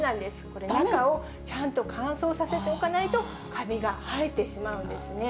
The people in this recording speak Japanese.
これ、中をちゃんと乾燥させておかないと、かびが生えてしまうんですね。